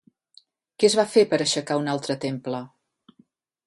Què es va fer per aixecar un altre temple?